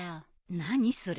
何それ？